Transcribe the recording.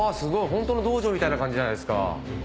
ホントの道場みたいな感じじゃないですか。